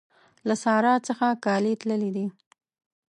له سارا څخه کالي تللي دي.